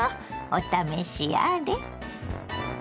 お試しあれ。